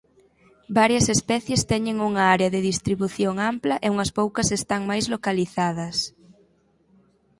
Varias especies teñen unha área de distribución ampla e unhas poucas están máis localizadas.